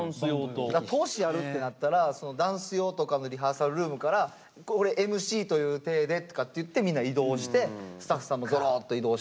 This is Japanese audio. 通しやるってなったらダンス用とかのリハーサルルームからＭＣという体でとかっていってみんな移動してスタッフさんもぞろっと移動して。